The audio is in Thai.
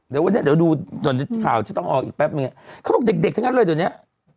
เดี๋ยวดูข่าวจะต้องออกอีกแป๊บมันไงเขาบอกเด็กทั้งนั้นเลยตอนนี้